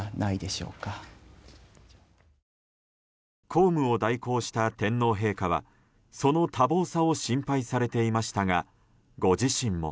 公務を代行した天皇陛下はその多忙さを心配されていましたがご自身も。